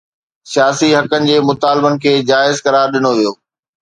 سياسي حقن جي مطالبن کي جائز قرار ڏنو ويو